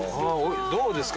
どうですか？